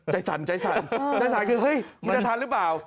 สั่นใจสั่นใจสั่นคือเฮ้ยมันจะทันหรือเปล่า